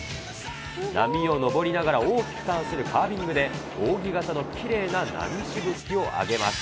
波を上りながら大きくターンするカービングで、扇形のきれいな波しぶきをあげます。